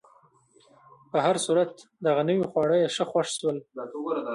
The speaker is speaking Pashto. په هر صورت، دغه نوي خواړه یې ښه خوښ شول.